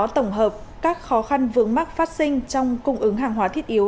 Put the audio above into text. tổng hợp các khó khăn vướng mắc phát sinh trong cung ứng hàng hóa thiết yếu